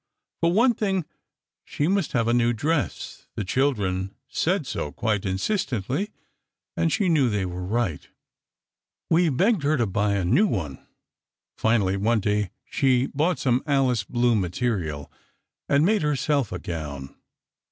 For one thing, she must have a new dress. The children said so, quite insistently, and she knew they were right. "We begged her to buy a new one. Finally, one day, she bought some Alice blue material and made herself a gown.